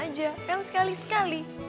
biarin aja pengen sekali sekali